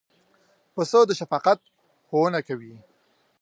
پسه د شفقت ښوونه کوي.